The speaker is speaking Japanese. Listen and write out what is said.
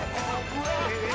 えっ！